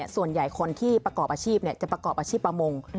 ส่วนใหญ่คนที่ประกอบอาชีพจะประกอบอาชีพประมง